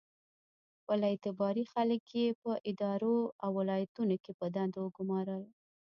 خپل اعتباري خلک یې په ادارو او ولایتونو کې په دندو وګومارل.